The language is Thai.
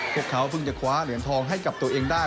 พวกเขาเพิ่งจะคว้าเหรียญทองให้กับตัวเองได้